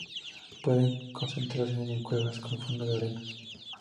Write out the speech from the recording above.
Puede encontrarse en cuevas con fondos de arena.